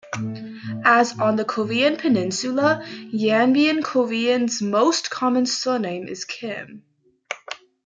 As on the Korean peninsula, Yanbian Koreans' most common surname is Kim.